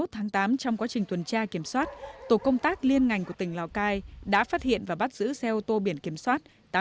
hai mươi tháng tám trong quá trình tuần tra kiểm soát tổ công tác liên ngành của tỉnh lào cai đã phát hiện và bắt giữ xe ô tô biển kiểm soát